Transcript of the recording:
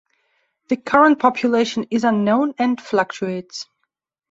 The current population is unknown, and fluctuates.